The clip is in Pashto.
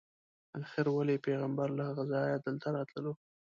آخر ولې پیغمبر له هغه ځایه دلته راتللو.